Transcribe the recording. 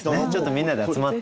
みんなで集まって。